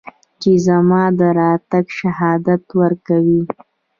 چې زما د راتګ شهادت ورکوي